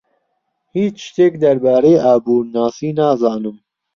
هیچ شتێک دەربارەی ئابوورناسی نازانم.